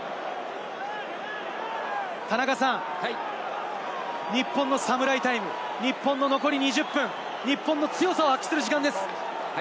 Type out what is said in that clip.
田中さん、日本のサムライタイム、日本の残り２０分、日本の強さを発揮する時間です。